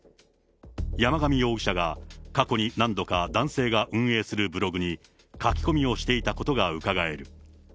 山上容疑者が過去に何度か男性が運営するブログに書き込みをしていたことがうかがえる。